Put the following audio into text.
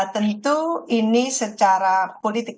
tentu ini secara politik